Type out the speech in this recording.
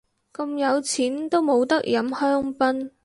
咁有錢都冇得飲香檳